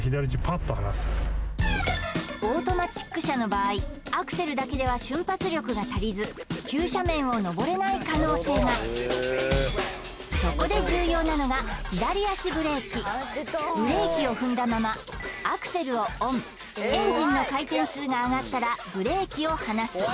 オートマチック車の場合アクセルだけでは瞬発力が足りず急斜面を登れない可能性がそこで重要なのがブレーキを踏んだままアクセルをＯＮエンジンの回転数が上がったらブレーキを離す